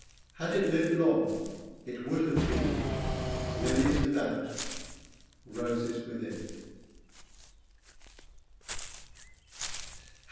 Had it lived long, it would have been Lilies without, roses within."